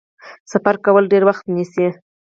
سفر کول ډیر وخت نیسي.